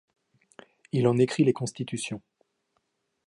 Il en écrit les constitutions.